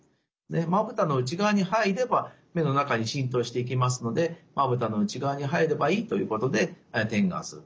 でまぶたの内側に入れば目の中に浸透していきますのでまぶたの内側に入ればいいということで点眼する。